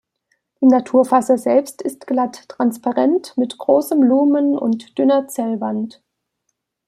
Die Naturfaser selbst ist glatt, transparent mit großem Lumen und dünner Zellwand.